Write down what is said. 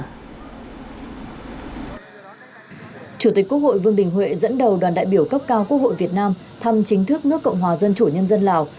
chủ tịch quốc hội vương đình huệ dẫn đầu đoàn đại biểu cấp cao quốc hội việt nam thăm chính thức nước cộng hòa dân chủ nhân dân lào